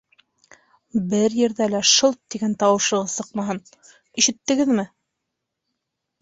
Бер ерҙә лә шылт тигән тауышығыҙ сыҡмаһын, ишеттегеҙме?